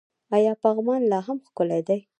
آیا پغمان لا هم ښکلی دی؟